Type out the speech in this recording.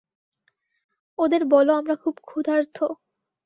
ওদের বল, আমরা খুব ক্ষুধার্থ।